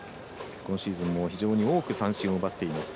今シーズンも非常に多く三振を奪っています。